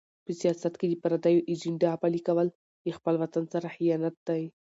په سیاست کې د پردیو ایجنډا پلي کول د خپل وطن سره خیانت دی.